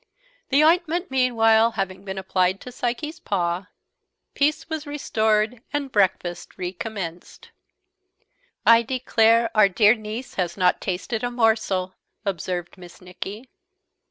The ointment meanwhile having been applied to Psyche's paw, peace was restored, and breakfast, recommenced. "I declare our dear niece has not tasted a morsel," observed Miss Nicky.